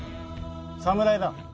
侍だ。